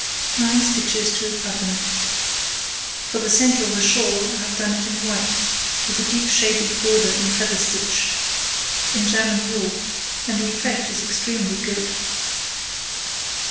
Nine stitches to a pattern. For the centre of a shawl I have done it in white, with a deep shaded border in feather stitch, in German wool, and the effect is extremely good.